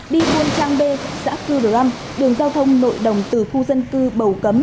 đi thuân trang bê xã cư đường âm đường giao thông nội đồng từ khu dân cư bầu cấm